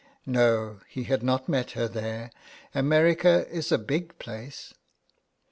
No, he had not met her there : America is a big place.